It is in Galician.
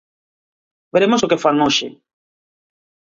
Veremos o que fan hoxe.